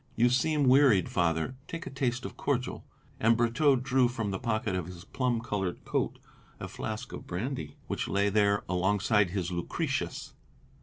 "You seem wearied, Father. Take a taste of cordial," and Brotteaux drew from the pocket of his plum coloured coat a flask of brandy, which lay there alongside his Lucretius.